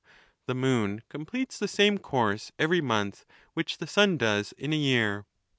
The moon completes the same course every month which the sun does in a year.